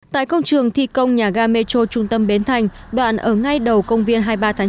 tại công trường thi công nhà ga metro trung tâm bến thành đoạn ở ngay đầu công viên hai mươi ba tháng chín